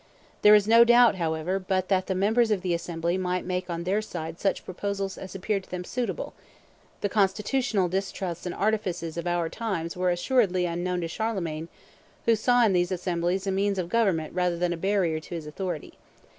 There is no doubt, however, but that the members of the assembly might make on their side such proposals as appeared to them suitable; the constitutional distrusts and artifices of our times were assuredly unknown to Charlemagne, who saw in these assemblies a means of government rather than a barrier to his authority.